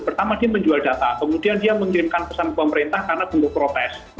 pertama dia menjual data kemudian dia mengirimkan pesan ke pemerintah karena belum protes